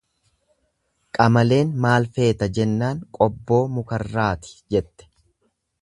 Qamaleen maal feeta jennaan qobboo mukarraati jette.